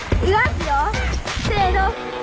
せの！